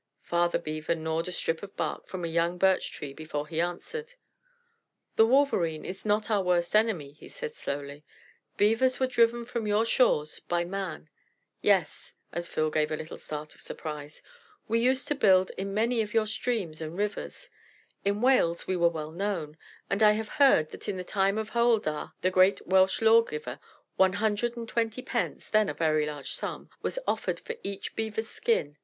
Father Beaver gnawed a strip of bark from a young birch tree before he answered. "The Wolverene is not our worst enemy," he said slowly. "Beavers were driven from your shores by Man. Yes " as Phil gave a little start of surprise "we used to build in many of your streams and rivers; in Wales we were well known, and I have heard that in the time of Hoel dda, the great Welsh lawgiver, one hundred and twenty pence then a very large sum was offered for each Beaver's skin.